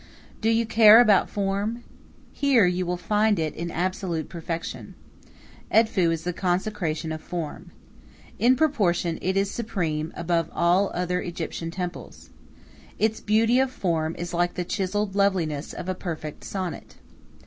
Do you care about form? Here you will find it in absolute perfection. Edfu is the consecration of form. In proportion it is supreme above all other Egyptian temples. Its beauty of form is like the chiselled loveliness of a perfect sonnet.